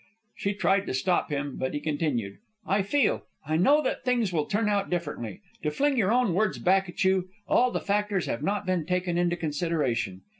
She tried to stop him, but he continued. "I feel, I know that things will turn out differently. To fling your own words back at you, all the factors have not been taken into consideration.